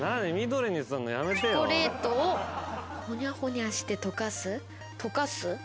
チョコレートをほにゃほにゃして溶かす。